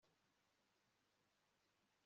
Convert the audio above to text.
sinkuzi